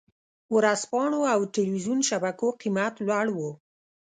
ورځپاڼو او ټلویزیون شبکو قېمت لوړ و.